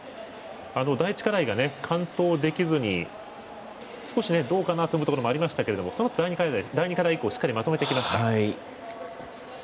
第１課題が完登できずに少しどうかなというところもありましたけれどもそのあと、第２課題以降しっかりまとめてきました。